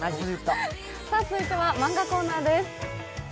続いてはマンガコーナーです。